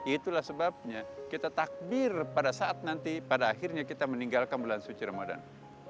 itulah sebabnya kita takbir pada saat nanti pada akhirnya kita meninggalkan bulan suci ramadan